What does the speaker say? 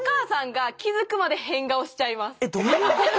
私はえっどういうこと？